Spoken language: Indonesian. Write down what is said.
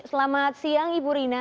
selamat siang ibu rina